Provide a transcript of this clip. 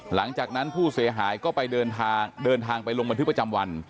หลังจากนั้นผู้เสียหายก็ไปเดินทางเดินทางไปลงบันทึกประจำวัน